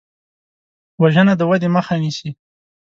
وژنه د ودې مخه نیسي